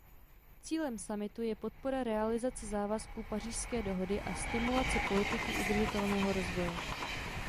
Cílem summitu je podpora realizace závazků Pařížské dohody a stimulace politiky udržitelného rozvoje.